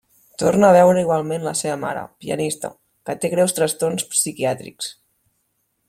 Torna a veure igualment la seva mare, pianista, que té greus trastorns psiquiàtrics.